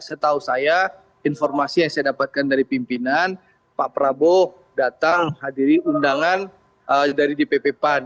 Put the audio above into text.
setahu saya informasi yang saya dapatkan dari pimpinan pak prabowo datang hadiri undangan dari dpp pan